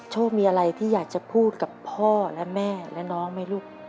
โชคมีอะไรที่อยากจะพูดกับพ่อและแม่และน้องไหมลูก